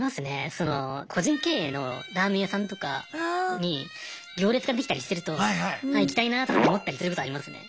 その個人経営のラーメン屋さんとかに行列ができたりしてるとあ行きたいなとかって思ったりすることありますね。